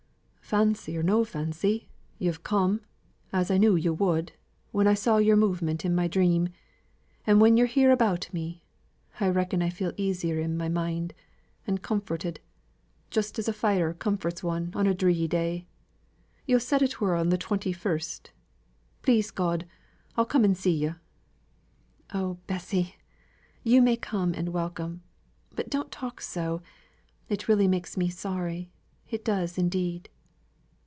"Fancy or no fancy, yo've come, as I knew yo' would, when I saw yo'r movement in my dream, and when yo're here about me, I reckon I feel easier in my mind, and comforted, just as a fire comforts one on a dree day. Yo' said it were on th' twenty first; please God, I'll come and see yo'." "Oh Bessy! you may come and welcome; but don't talk so it really makes me sorry. It does indeed."